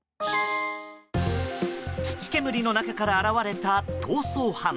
土煙の中から現れた逃走犯。